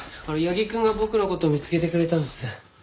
八木くんが僕の事見つけてくれたんです。